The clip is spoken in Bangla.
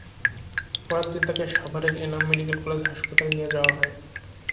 পরের দিন তাকে সাভারের এনাম মেডিকেল কলেজ হাসপাতালে নিয়ে যাওয়া হয়।